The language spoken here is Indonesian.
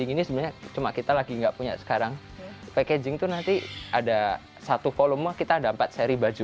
ini sebenarnya cuma kita lagi enggak punya sekarang packaging tuh nanti ada satu volume kita ada empat seri baju